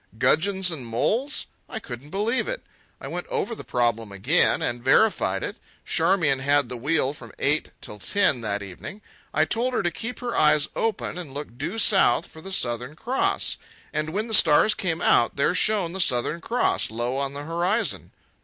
Gudgeons and moles! I couldn't believe it. I went over the problem again, and verified it. Charmian had the wheel from eight till ten that evening. I told her to keep her eyes open and look due south for the Southern Cross. And when the stars came out, there shone the Southern Cross low on the horizon.